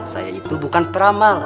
saya itu bukan peramal